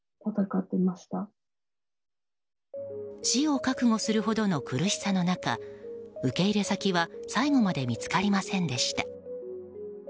死を覚悟するほどの苦しさの中受け入れ先は最後まで見つかりませんでした。